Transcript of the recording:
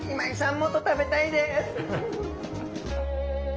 もっと食べたいです！